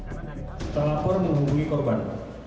kita lapor menghubungi korban